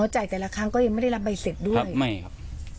จ่ายแต่ละครั้งก็ยังไม่ได้รับใบเสร็จด้วยไม่ครับ